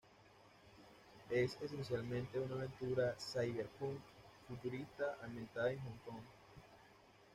Es esencialmente una aventura cyberpunk futurista ambientada en Hong Kong.